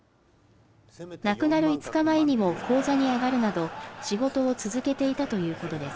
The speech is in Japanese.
亡くなる５日前にも高座に上がるなど、仕事を続けていたということです。